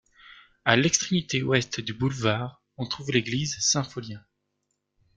À l'extrémité ouest du boulevard, on trouve l'église Saint-Pholien.